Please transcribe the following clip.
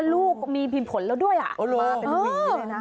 ลูกมีผิดผลแล้วด้วยอ่ะมาเป็นผู้หญิงเลยนะ